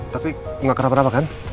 tapi gak kenapa kenapa kan